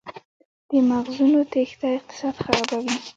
د مغزونو تیښته اقتصاد خرابوي؟